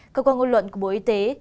cơ quan ngôn luận của bộ y tế